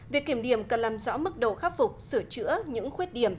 việc kiểm điểm cần làm rõ mức độ khắc phục sửa chữa những khuyết điểm